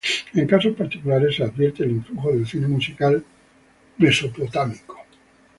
En casos particulares, se advierte el influjo del cine musical estadounidense.